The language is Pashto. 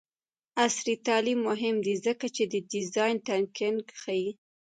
عصري تعلیم مهم دی ځکه چې د ډیزاین تنکینګ ښيي.